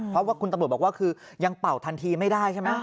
เพราะว่าคุณตำรวจบอกว่าคือยังเป่าทันทีไม่ได้ใช่ไหม